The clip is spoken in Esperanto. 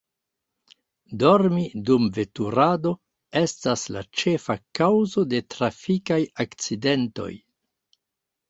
Dormi dum veturado estas la ĉefa kaŭzo de trafikaj akcidentoj.